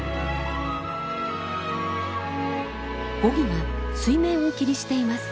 ゴギが水面を気にしています。